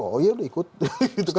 oh iya udah ikut deh gitu kan